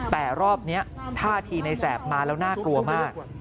แต่รอบนี้ท่าทีในแสบมาแล้วน่ากลัวมาก